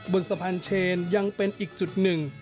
บนสะพานเชนยังเป็นอีกจุดหนึ่ง